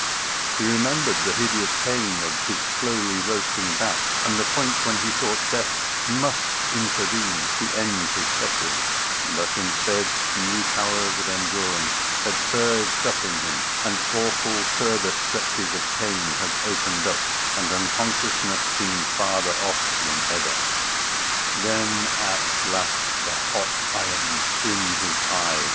He remembered the hideous pain of his slowly roasting back, and the point when he thought death must intervene to end his suffering, but instead new powers of endurance had surged up in him, and awful further stretches of pain had opened up, and unconsciousness seemed farther off than ever. Then at last the hot irons in his eyes....